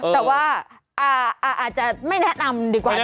แต่ว่าอาจจะไม่แนะนำดีกว่า